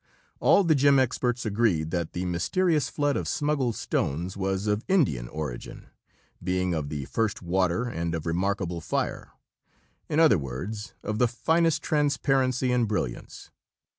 All the gem experts agreed that the mysterious flood of smuggled stones was of Indian origin, being of the first water and of remarkable fire in other words, of the finest transparency and brilliance.